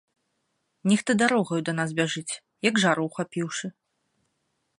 Нехта дарогаю да нас бяжыць, як жару ўхапіўшы.